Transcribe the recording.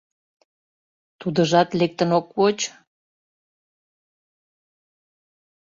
Тудыжат лектын ок воч?